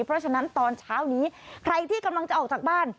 เพราะฉะนั้นตอนเช้านี้ใครที่กำลังจะออกจากบ้าน